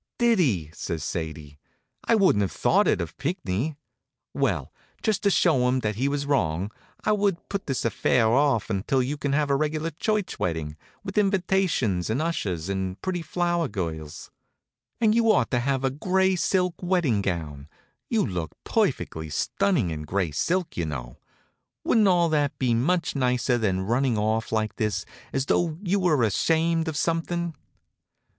"Did he?" says Sadie. "I wouldn't have thought it of Pinckney. Well, just to show him that he was wrong, I would put this affair off until you can have a regular church wedding; with invitations, and ushers, and pretty flower girls. And you ought to have a gray silk wedding gown you'd look perfectly stunning in gray silk, you know. Wouldn't all that be much nicer than running off like this, as though you were ashamed of something?"